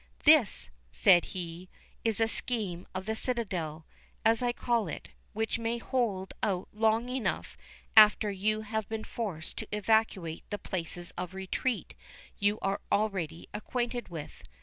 "This," said he, "is a scheme of the citadel, as I call it, which may hold out long enough after you have been forced to evacuate the places of retreat you are already acquainted with.